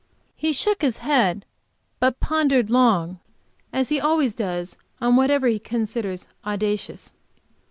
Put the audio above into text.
He shook his head, but pondered long, as he always does, on whatever he considers audacious.